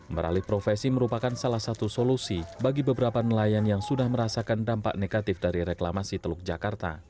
meralih profesi merupakan salah satu solusi bagi beberapa nelayan yang sudah merasakan dampak negatif dari reklamasi teluk jakarta